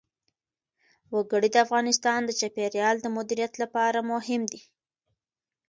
وګړي د افغانستان د چاپیریال د مدیریت لپاره مهم دي.